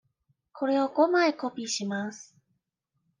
これを五枚コピーします。